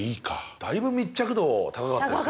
だいぶ密着度高かったですよ。